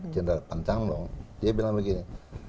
jenderal pan changlong dia bilang begini